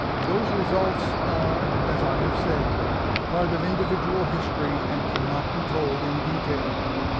Those results are, as I have said, a part of individual history and cannot be told in detail.